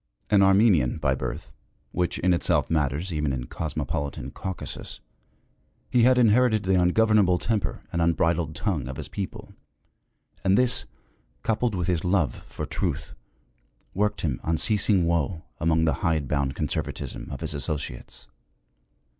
An Armenian by birth, which in itself matters even in cosmopolitan Caucasus, he had inherited the ungovernable temper and unbridled tongue of his people; and this, coupled with his love for truth, worked him unceasing woe among the hidebound conservatism of his associates.